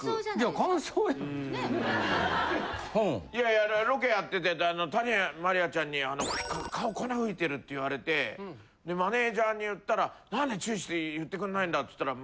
いやロケやってて谷まりあちゃんに「顔粉吹いてる」って言われてでマネージャーに言ったら「何で注意して言ってくれないんだ」って言ったら。